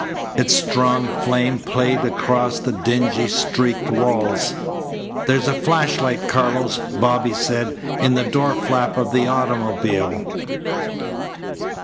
Its strong flame played across the dingy, streaked walls. "There's a flashlight, Carlos," Bobby said, "in the door flap of the automobile."